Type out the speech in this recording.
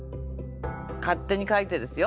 勝手に書いてですよ。